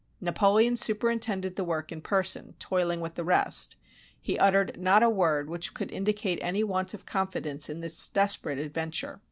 Napoleon superintended the work in person, toiling with the rest. He uttered not a word which could indi cate any want of confidence in this desperate adventure.